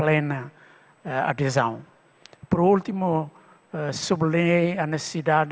terakhir saya ingin menghubungkan kebutuhan